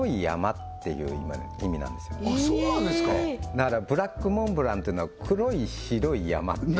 だから「ブラックモンブラン」ってのは黒い白い山っていう